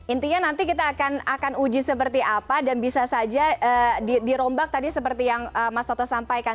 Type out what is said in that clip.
intinya nanti kita akan uji seperti apa dan bisa saja dirombak tadi seperti yang mas toto sampaikan